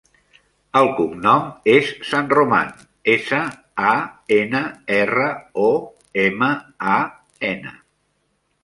El cognom és Sanroman: essa, a, ena, erra, o, ema, a, ena.